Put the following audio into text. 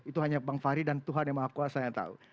itu hanya bang fahri dan tuhan yang maha kuasa yang tahu